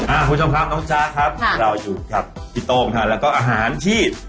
คุณผู้ชมครับน้องจ๊ะครับเราอยู่กับพี่โต้งค่ะแล้วก็อาหารชีพ